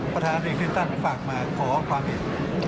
ประธานดิกฤทธันฯฝากมาขอความเห็น